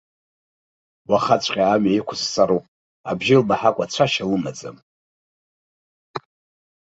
Уахаҵәҟьа амҩа иқәсҵароуп, абжьы лмаҳакәа цәашьа лымаӡам.